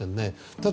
ただ